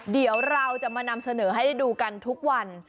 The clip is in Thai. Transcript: เดี๋ยวเราจะมานำเสนอให้ดูกันทุกวัน